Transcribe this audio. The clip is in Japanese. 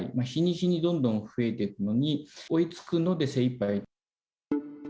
日に日にどんどん増えていくのに、追いつくので精いっぱい。